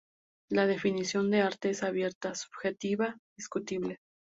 La definición de arte es abierta, subjetiva, discutible.